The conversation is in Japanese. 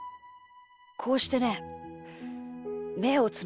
こうしてねめをつむるんだ。